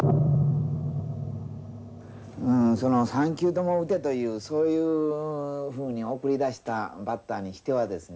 うんその３球とも打てというそういうふうに送り出したバッターにしてはですね